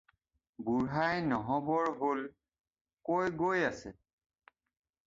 "বুঢ়াই "নহ'বৰ হ'ল" কৈ গৈ আছে।"